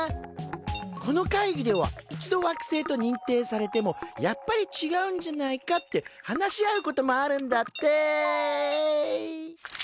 この会議では一度惑星とにんていされてもやっぱりちがうんじゃないかって話し合うこともあるんだって。